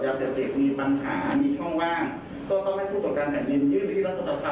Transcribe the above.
ก็ต้องให้ผู้ตรวจการแผ่นดินยื่นไปที่รัฐศาสตรา